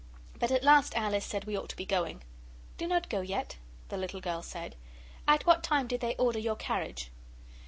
But at last Alice said we ought to be going. 'Do not go yet,' the little girl said. 'At what time did they order your carriage?